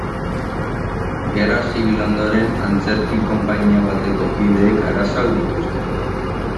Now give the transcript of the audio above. Gerra Zibil ondoren, antzerki konpainia bateko kideek arazoak dituzte.